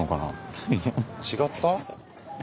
違った？